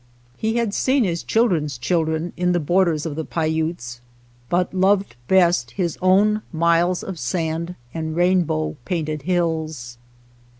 He had seen his children's children in the borders of the Paiutes, but loved best his own miles of sand and rainbow painted hills.